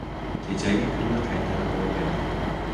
• Kechagi kunni qaytarib bo‘lmaydi.